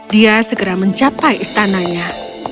dia segera mencapai istananya